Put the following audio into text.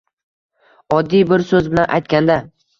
Oddiy bir so‘z bilan aytganda